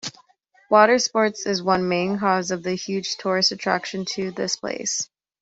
Water Sports is one main cause of the huge tourist attraction to this place.